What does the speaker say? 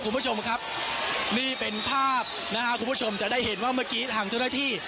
คุณผู้ชมครับนี่เป็นภาพนะฮะคุณผู้ชมจะได้เห็นว่าเมื่อกี้ทางเจ้าหน้าที่